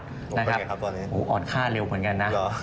โอเคครับตอนนี้อ่อนค่าเร็วเหมือนกันนะ